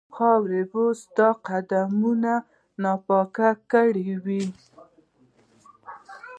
خاوره به ستا قدمونو ناپاکه کړې وي.